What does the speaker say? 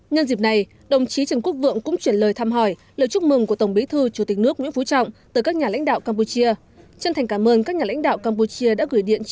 nhân dịp này đồng chí trần quốc vượng cũng chuyển lời thăm hỏi lời chúc mừng của tổng bí thư chủ tịch nước nguyễn phú trọng từ các nhà lãnh đạo campuchia